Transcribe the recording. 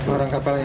orang kapalnya ya